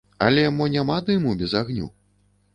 Але мо няма дыму без агню?